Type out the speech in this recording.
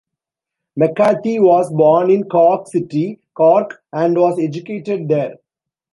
McCarthy was born in Cork City, Cork, and was educated there.